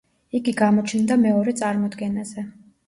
იგი გამოჩნდა მეორე წარმოდგენაზე.